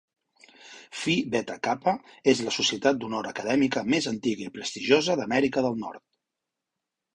Phi Beta Kappa és la societat d'honor acadèmica més antiga i prestigiosa d'Amèrica del Nord.